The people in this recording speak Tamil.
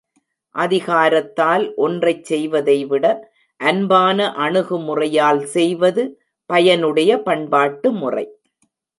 அதிகாரத்தால் ஒன்றைச் செய்வதைவிட, அன்பான அணுகுமுறையால் செய்வது பயனுடைய பண்பாட்டு முறை.